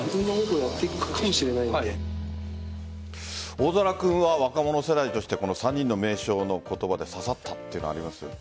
大空君は若者世代として３人の名将の言葉で刺さったというのはありますか？